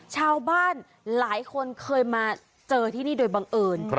ชาวบ้านหลายคนเคยมาเจอที่นี่โดยบังเอิญ